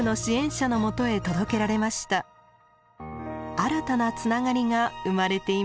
新たなつながりが生まれています。